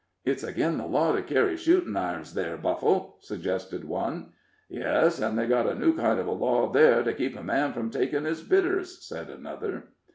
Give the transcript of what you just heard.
"It's agin the law to kerry shootin' irons there, Buffle," suggested one. "Yes, an' they got a new kind uv a law there, to keep a man from takin' his bitters," said another.